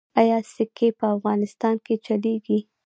آیا سکې په افغانستان کې چلیږي؟